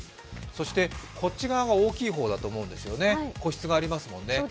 そしてこっち側が大きい方だと思うんですね、個室がありますもんね。